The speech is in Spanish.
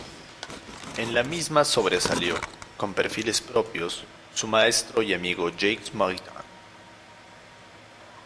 En la misma sobresalió, con perfiles propios, su maestro y amigo Jacques Maritain.